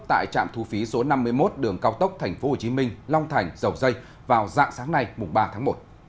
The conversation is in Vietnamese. tại trạm thu phí số năm mươi một đường cao tốc tp hcm long thành dầu dây vào dạng sáng nay ba tháng một